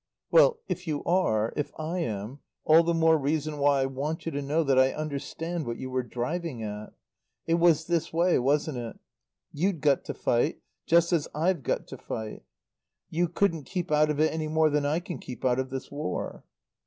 "Well, if you are if I am all the more reason why I want you to know that I understand what you were driving at. It was this way, wasn't it? You'd got to fight, just as I've got to fight. You couldn't keep out of it any more than I can keep out of this War."